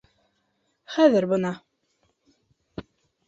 Хәҙер бына...